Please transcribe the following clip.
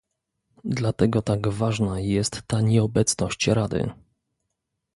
Dlatego tak ważna jest ta nieobecność Rady